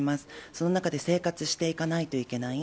その中で生活していかないといけない。